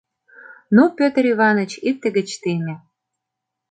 Ну, Пӧтыр Иваныч, икте гыч теме!